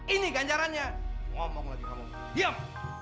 ini ganjarannya ngomong lagi ngomong diam